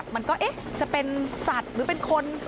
มันก็จะเป็นสัตว์หรือเป็นคน